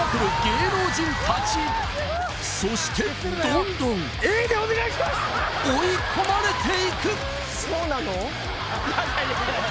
芸能人たちそしてどんどん追い込まれていくいや